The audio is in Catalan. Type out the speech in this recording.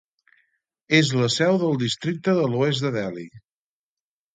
És la seu del districte de l'oest de Dehli.